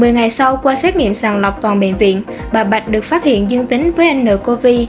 một mươi ngày sau qua xét nghiệm sàng lọc toàn bệnh viện bà bạch được phát hiện dương tính với ncov